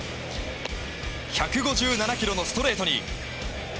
１５７キロのストレートに。